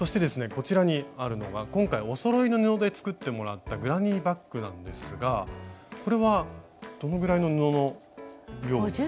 こちらにあるのが今回おそろいの布で作ってもらったグラニーバッグなんですがこれはどのぐらいの布の量ですか？